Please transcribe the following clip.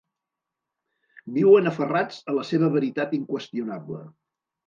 Viuen aferrats a la seva veritat inqüestionable.